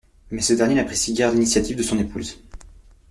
Mais ce dernier n'apprécie guère l'initiative de son épouse.